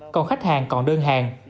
còn khách hàng còn đơn hàng